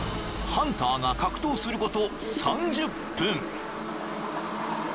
［ハンターが格闘すること３０分］